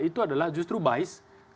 itu adalah justru bis